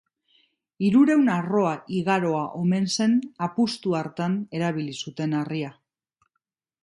Hirurehun arroa igaroa omen zen apustu hartan erabili zuten harria